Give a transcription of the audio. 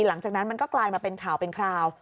หลังจากนั้นมันก็กลายมาเป็นข่าวเป็นคราว